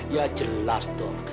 ya jelas dong